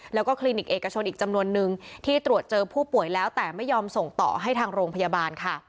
แล้วก็คลินิกเอกชนอีกจำนวนนึงที่ตรวจเจอผู้ป่วยแล้วแต่ไม่ยอมส่งต่อให้ทางโรงพยาบาลค่ะ